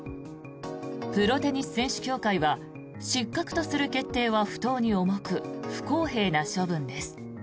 プロテニス選手協会は失格とする決定は不当に重く不公平な処分です